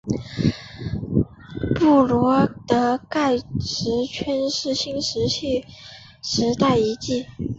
布罗德盖石圈是新石器时代遗迹。